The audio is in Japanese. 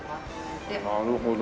なるほど。